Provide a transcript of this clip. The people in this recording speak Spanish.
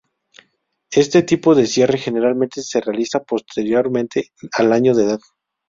Este tipo de cierre generalmente se realiza posteriormente al año de edad.